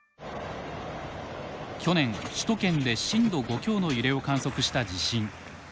去年首都圏で震度５強の揺れを観測した地震。